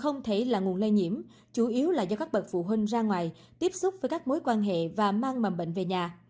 không thể là nguồn lây nhiễm chủ yếu là do các bậc phụ huynh ra ngoài tiếp xúc với các mối quan hệ và mang mầm bệnh về nhà